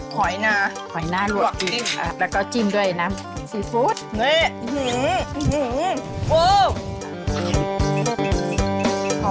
หอยนาหอยนาลวกจิ้มแล้วก็จิ้มด้วยนะซีฟู้ดนี่หื้อโอ้โฮ